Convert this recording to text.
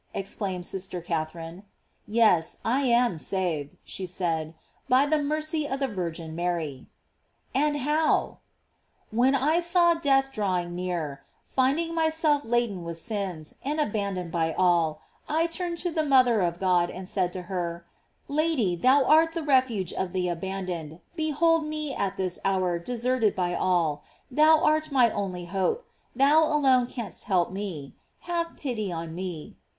exclaimed sister Catherine. "Yes, I am saved," she said, "by the mercy of the Virgin Mary.'? "And how?'' "When I saw death drawing near, finding myself laden with sins, and abandoned by all, I turned to the mother of God and said to her, Lady, thou art the ref uge of the abandoned, behold me at this hour deserted by all; thou art my only hope, thou alone canst help me; have pity on me.